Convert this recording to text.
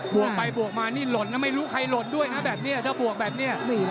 บวกไปบวกมานี่หล่นเขาไม่รู้ใครหล่นด้วยนะแบบนี้